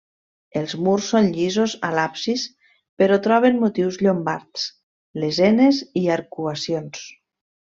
Els murs són llisos a l'absis, però, trobem motius llombards: lesenes i arcuacions.